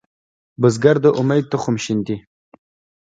بزګر د امید تخم شیندي